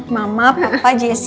mama papa jessy